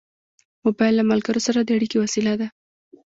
موبایل له ملګرو سره د اړیکې وسیله ده.